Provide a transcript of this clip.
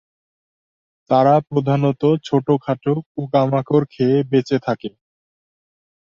তারা প্রধানত ছোটো খাটো পোকামাকড় খেয়ে বেচে থাকে।